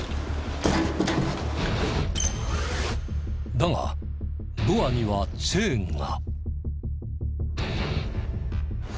だがドアにはチェーンが。